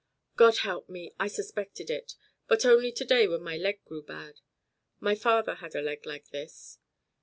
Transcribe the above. "God help me, I suspected it; but only today when my leg grew bad. My father had a leg like this."